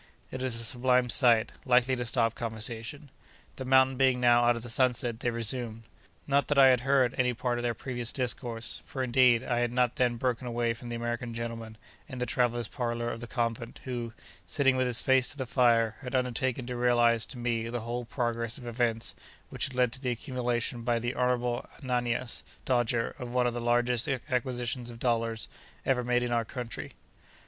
It is a sublime sight, likely to stop conversation. The mountain being now out of the sunset, they resumed. Not that I had heard any part of their previous discourse; for indeed, I had not then broken away from the American gentleman, in the travellers' parlour of the convent, who, sitting with his face to the fire, had undertaken to realise to me the whole progress of events which had led to the accumulation by the Honourable Ananias Dodger of one of the largest acquisitions of dollars ever made in our country.